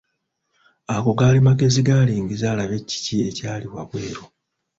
Ago gaali magezi ge alingize alabe kiki ekyali wabweru.